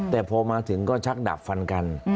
แต่พอมาถึงก็ชักดับฟันกัน